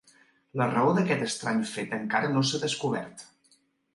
La raó d'aquest estrany fet encara no s'ha descobert.